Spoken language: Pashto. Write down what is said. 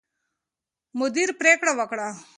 مدیر پرېکړه وکړه.